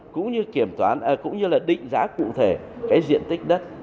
cũng như định giá cụ thể diện tích đất